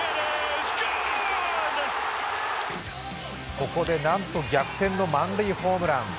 ここでなんと逆転の満塁ホームラン。